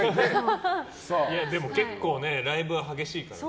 でも結構ライブは激しいからね。